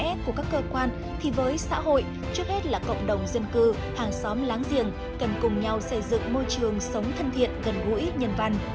vì lẽ của các cơ quan thì với xã hội trước hết là cộng đồng dân cư hàng xóm láng giềng cần cùng nhau xây dựng môi trường sống thân thiện gần gũi nhân văn